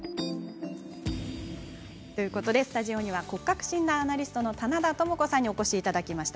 スタジオには骨格診断アナリストの棚田トモコさんにお越しいただきました。